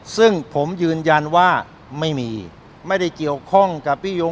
ซึ่งผมยืนยันว่าไม่มีไม่ได้เกี่ยวข้องกับพี่ยง